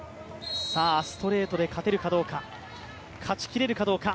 ストレートで勝てるかどうか、勝ちきれるかどうか。